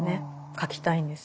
書きたいんです。